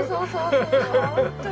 ハハハ。